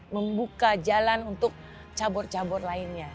membuka jalan untuk cabur cabur lainnya